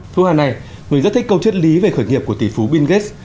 thu hà này người rất thích câu chất lý về khởi nghiệp của tỷ phú bill gates